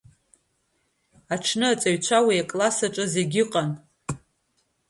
Аҽны аҵаҩцәа уи акласс аҿы зегьы ыҟан.